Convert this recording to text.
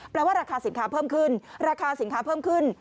ว่าราคาสินค้าเพิ่มขึ้นราคาสินค้าเพิ่มขึ้น